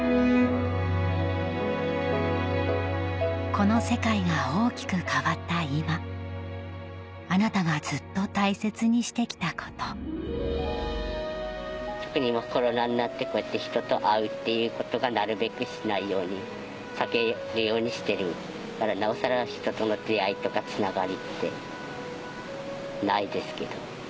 この世界が大きく変わった今あなたがずっと大切にして来たこと特に今コロナになって人と会うっていうことがなるべくしないように避けるようにしてるからなおさら人との出会いとかつながりってないですけど。